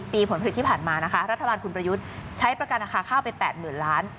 ผลผลิตที่ผ่านมานะคะรัฐบาลคุณประยุทธ์ใช้ประกันราคาข้าวไป๘๐๐๐ล้าน